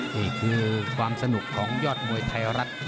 นี่คือความสนุกของยอดมวยไทยรัฐ